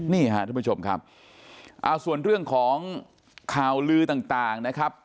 นี่ค่ะทุกผู้ชมครับเอาส่วนเรื่องของข่าวลือต่างนะครับ